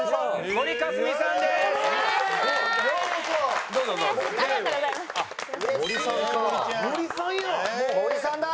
森さんだ！